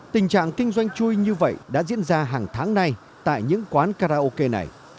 tình trạng kinh doanh chui như vậy đã diễn ra hàng tháng nay tại những quán karaoke này